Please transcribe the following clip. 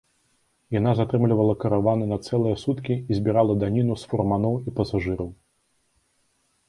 Яна затрымлівала караваны на цэлыя суткі і збірала даніну з фурманоў і пасажыраў.